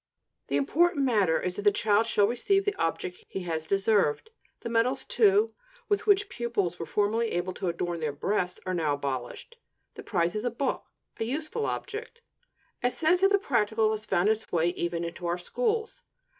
The important matter is that the child shall receive the object he has deserved. The medals, too, with which pupils were formerly able to adorn their breasts, are now abolished; the prize is a book, a useful object. A sense of the practical has found its way even into our schools.